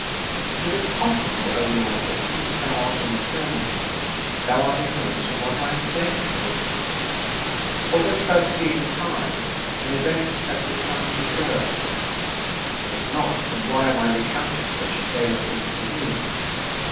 Is it possible, O Lord, that, since thou art in eternity, thou art ignorant of what I am saying to thee? Or, dost thou see in time an event at the time it occurs? If not, then why am I recounting such a tale of things to thee?